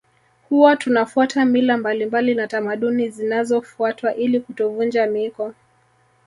Huwa tunafuata mila mbalimbali na tamaduni zinazofuatwa ili kutovunja miiko